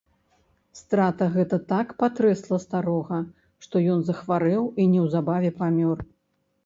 Страта гэта так патрэсла старога, што ён захварэў і неўзабаве памёр.